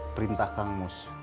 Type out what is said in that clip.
perintah kang mus